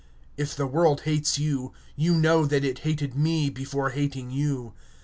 (18)If the world hates you, ye know that it has hated me before it hated you.